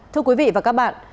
thưa quý vị và các bạn